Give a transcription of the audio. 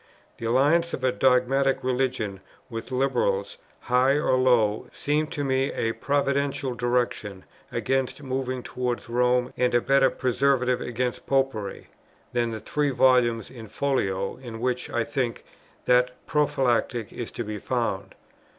The alliance of a dogmatic religion with liberals, high or low, seemed to me a providential direction against moving towards Rome, and a better "Preservative against Popery," than the three volumes in folio, in which, I think, that prophylactic is to be found.